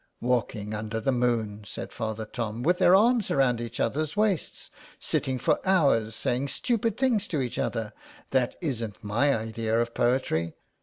" Walking under the moon," said Father Tom, " with their arms round each other's waists, sitting 59 SOME PARISHIONERS, for hours saying stupid things to each other — that isn't my idea of poetry.